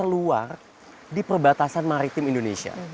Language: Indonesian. keluar di perbatasan maritim indonesia